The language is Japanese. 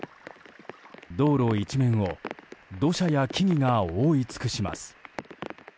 道路一面を土砂や木々が覆い尽くします。